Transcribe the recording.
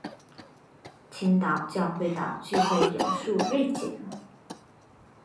青岛教会的聚会人数锐减。